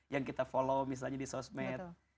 yang kita follow misalnya di sosmed